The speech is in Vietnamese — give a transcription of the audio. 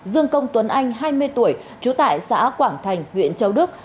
dương công tuấn anh hai mươi tuổi trú tại xã quảng thành huyện châu đức